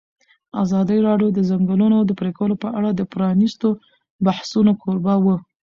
ازادي راډیو د د ځنګلونو پرېکول په اړه د پرانیستو بحثونو کوربه وه.